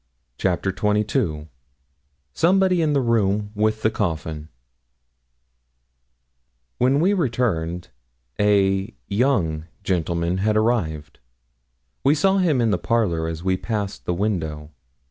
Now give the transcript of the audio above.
CHAPTER XXII SOMEBODY IN THE ROOM WITH THE COFFIN When we returned, a 'young' gentleman had arrived. We saw him in the parlour as we passed the window.